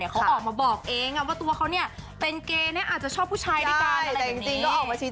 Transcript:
ไม่ต้องบอกเองว่าเป็นเกรน่ามากจะชอบผู้ชายได้การ